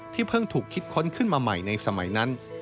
เพิ่งถูกคิดค้นขึ้นมาใหม่ในสมัยนั้น